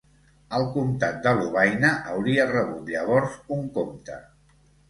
El comtat de Lovaina hauria rebut llavors un comte.